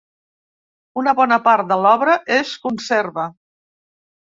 Una bona part de l'obra es conserva.